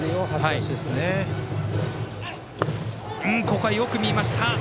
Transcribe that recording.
ここはよく見ました。